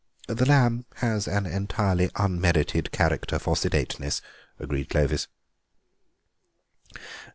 "The lamb has an entirely unmerited character for sedateness," agreed Clovis.